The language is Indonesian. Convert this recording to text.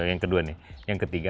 yang kedua nih yang ketiga